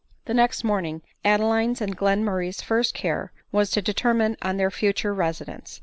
The next morning Adeline's and Glenmurray's first care was to determine on their future residence.